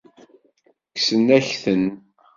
Kksen-ak-ten.